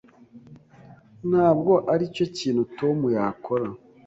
Ntabwo aricyo kintu Tom yakora.